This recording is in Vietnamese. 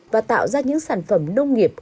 và tạo ra những sản phẩm nông nghiệp